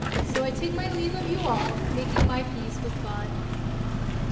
So I take my leave of you all, making my peace with God.